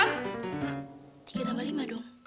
tiga tambah lima dong